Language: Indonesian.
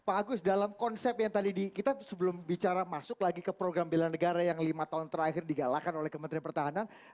pak agus dalam konsep yang tadi kita sebelum bicara masuk lagi ke program bela negara yang lima tahun terakhir digalakan oleh kementerian pertahanan